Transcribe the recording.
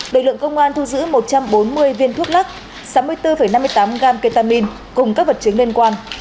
lực lượng công an thu giữ một trăm bốn mươi viên thuốc lắc sáu mươi bốn năm mươi tám gram ketamin cùng các vật chứng liên quan